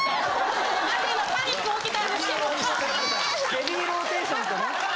ヘビーローテーションとね。